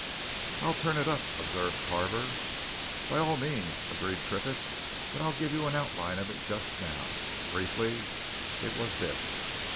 "I'll turn it up," observed Carver. "By all means," agreed Triffitt; "but I'll give you an outline of it just now. Briefly, it was this.